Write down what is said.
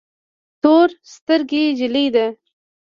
تور سترګي جلی ده